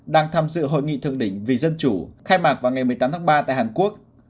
đang tham dự hội nghị thượng đỉnh vì dân chủ khai mạc vào ngày một mươi tám tháng ba tại hàn quốc